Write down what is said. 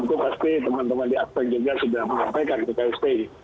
dan tentu pasti teman teman di aspek juga sudah menyampaikan di ksi